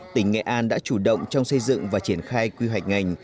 tỉnh nghệ an đã chủ động trong xây dựng và triển khai quy hoạch ngành